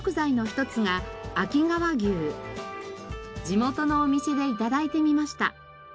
地元のお店で頂いてみました。